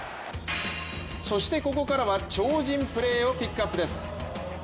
そしてここからは超人プレーをピックアップです。